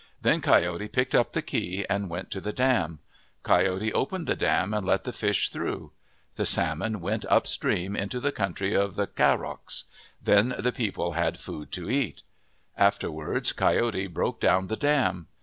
Then Coyote picked up the key, and went to the dam. Coyote opened the dam and let the fish through. The salmon went upstream into the country of the Cahrocs. Then the people had food to eat. Afterwards Coyote broke down the dam.